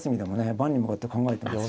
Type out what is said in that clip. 盤に向かって考えてますし。